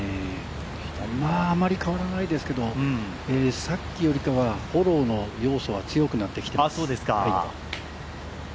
あまり変わらないですけど、さっきよりかはフォローの要素は強くなってきています。